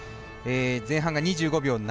前半が２５秒７８。